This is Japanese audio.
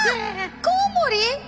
コウモリ？